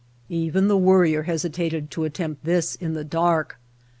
Even the Worrier hesitated to attempt this in the dark.